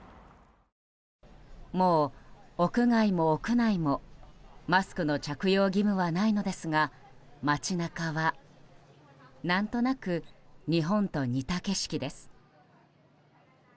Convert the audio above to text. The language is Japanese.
もう屋外も屋内もマスクの着用義務はないのですが街中は何となく日本と似た景色です。